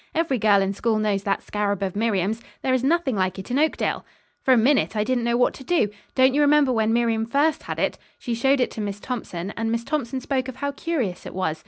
Every girl in school knows that scarab of Miriam's. There is nothing like it in Oakdale. "For a minute I didn't know what to do. Don't you remember when Miriam first had it? She showed it to Miss Thompson, and Miss Thompson spoke of how curious it was.